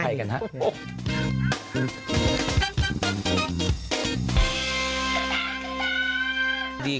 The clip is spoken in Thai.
ดีควายนะครับ